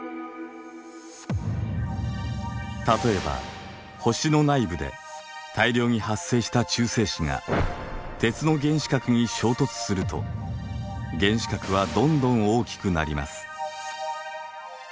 例えば星の内部で大量に発生した中性子が鉄の原子核に衝突すると原子核はどんどん大きくなります。